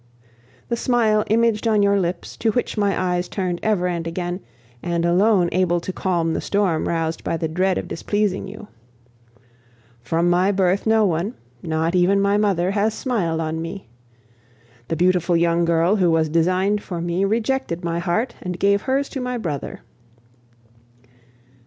The smile imaged on your lips, to which my eyes turned ever and again, and alone able to calm the storm roused by the dread of displeasing you. From my birth no one, not even my mother, has smiled on me. The beautiful young girl who was designed for me rejected my heart and gave hers to my brother.